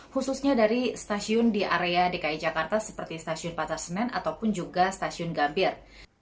khususnya dari stasiun di area dki jakarta seperti stasiun pasar senen ataupun juga stasiun gambir